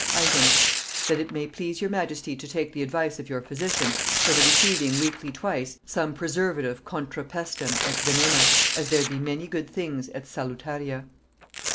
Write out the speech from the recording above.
"Item. That it may please your majesty to take the advice of your physician for the receiving weekly twice some preservative 'contra pestem et venena,' as there be many good things 'et salutaria.'